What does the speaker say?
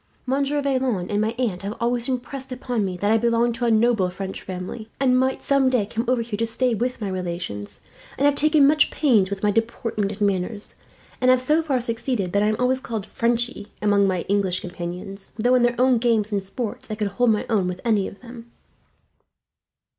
Monsieur Vaillant and my aunt have always impressed upon me that I belong to a noble French family, and might some day come over here to stay with my relations; and have taken much pains with my deportment and manners, and have so far succeeded that I am always called 'Frenchy' among my English companions, though in their own games and sports I could hold my own with any of them."